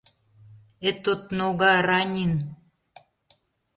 Этот нога ранин.